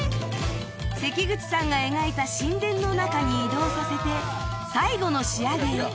せきぐちさんが描いた神殿の中に移動させて最後の仕上げへ